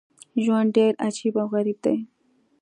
ژوند ډېر عجیب او غریب دی.